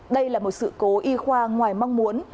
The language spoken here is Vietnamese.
đây là một sự cố y khoa ngoài mong muốn